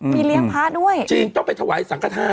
มีเลี้ยงพระด้วยจริงต้องไปถวายสังขทาน